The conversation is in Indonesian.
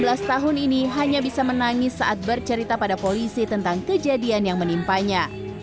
dua belas tahun ini hanya bisa menangis saat bercerita pada polisi tentang kejadian yang menimpanya